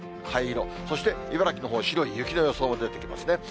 灰色、そして茨城のほう、白い雪の予想も出てきますね。